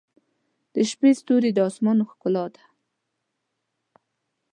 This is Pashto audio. • د شپې ستوري د آسمان ښکلا ده.